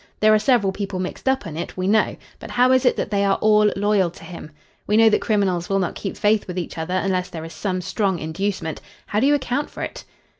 There are several people mixed up in it, we know; but how is it that they are all loyal to him? We know that criminals will not keep faith with each other unless there is some strong inducement. How do you account for it?"